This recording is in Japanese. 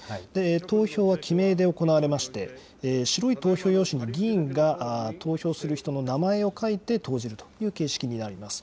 投票は記名で行われまして、白い投票用紙に議員が投票する人の名前を書いて投じるという形式になります。